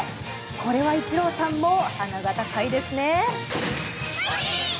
これはイチローさんも鼻が高いですね。